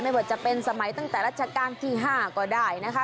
ไม่ว่าจะเป็นสมัยตั้งแต่รัชกาลที่๕ก็ได้นะคะ